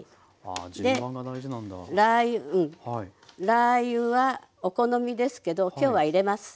ラー油はお好みですけど今日は入れます。